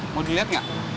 mau diliat ga